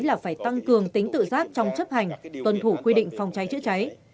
là phải tăng cường tính tự giác trong chấp hành tuân thủ quy định phòng cháy chữa cháy